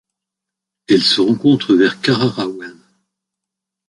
Elle se rencontre vers Karara Well.